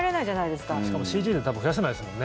しかもＣＧで多分、増やせないですもんね。